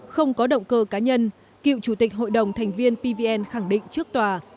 không có động cơ cá nhân cựu chủ tịch hội đồng thành viên pvn khẳng định trước tòa